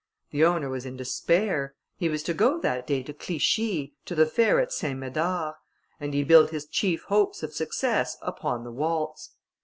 The owner was in despair; he was to go that day to Clichi, to the fair of St. Médard, and he built his chief hopes of success upon the waltz.